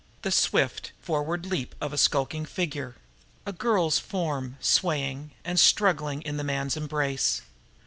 the swift, forward leap of a skulking figure...a girl's form swaying and struggling in the man's embrace.